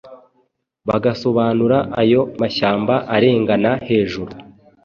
bagasobanura ayo mashyamba arengana hejuru